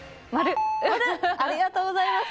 〇、ありがとうございます。